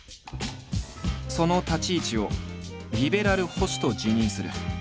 その立ち位置を「リベラル保守」と自認する。